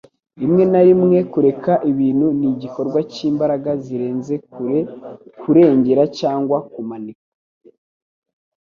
Rimwe na rimwe kureka ibintu ni igikorwa cy'imbaraga zirenze kure kurengera cyangwa kumanika.”